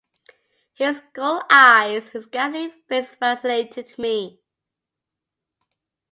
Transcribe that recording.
His ghoul-eyes and his ghastly face fascinated me.